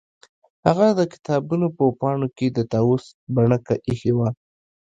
هغه د کتابونو په پاڼو کې د طاووس بڼکه ایښې وه